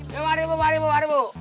ya mari bu mari bu mari bu